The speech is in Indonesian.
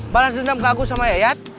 balas dendam ke aku sama yayat